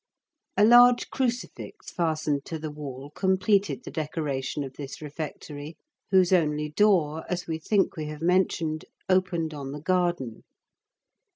A large crucifix fastened to the wall completed the decoration of this refectory, whose only door, as we think we have mentioned, opened on the garden.